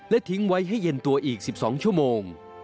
ทิ้งไว้ให้เย็นตัวอีก๑๒ชั่วโมง